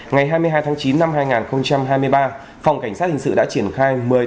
ngày hai mươi hai tháng chín năm hai nghìn hai mươi ba phòng cảnh sát hình sự đã triển khai